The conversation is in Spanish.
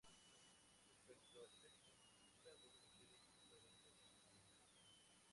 Respecto al sexo, afecta a dos mujeres por cada hombre aproximadamente.